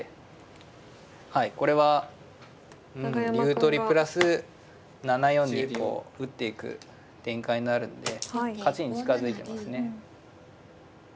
はいこれは竜取りプラス７四にこう打っていく展開になるんで勝ちに近づいてますね。